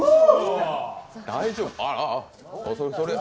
大丈夫？